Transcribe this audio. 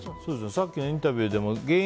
さっきのインタビューで原因